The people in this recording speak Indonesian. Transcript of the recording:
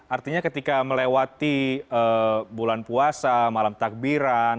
artinya ketika melewati bulan puasa malam takbiran